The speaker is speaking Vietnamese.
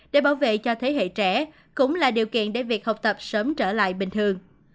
để bảo vệ cho thế hệ trẻ cũng là điều kiện để việc học tập sớm trở lại bình thường